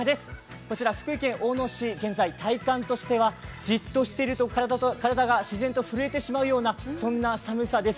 こちら福井県大野市、現在、体感としてはじっとしていると体が自然と震えてしまうような寒さです。